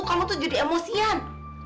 kamu tuh jadi emosian